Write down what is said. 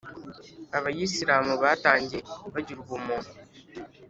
abayisilamu batangiye bagira ubumuntu